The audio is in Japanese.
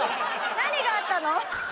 何があったの？